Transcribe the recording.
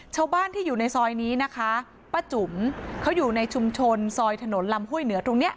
ชาวบ้านที่อยู่ในซอยนี้นะคะป้าจุ๋มเขาอยู่ในชุมชนซอยถนนลำห้วยเหนือตรงเนี้ย